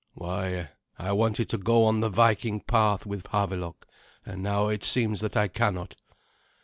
"Why, I wanted to go on the Viking path with Havelok, and now it seems that I cannot."